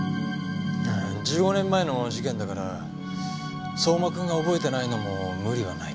ああ１５年前の事件だから相馬君が覚えてないのも無理はないね。